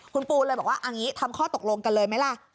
คุณปูเลยบอกว่าเอางี้ทำข้อตกลงกันเลยไหมล่ะ